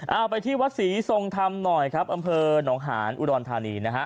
เอาไปที่วัดศรีทรงธรรมหน่อยครับอำเภอหนองหานอุดรธานีนะฮะ